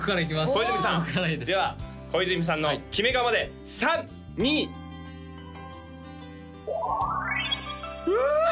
小泉さんでは小泉さんの決め顔まで３２フゥーッ！